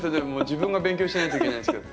自分が勉強しないといけないんですから。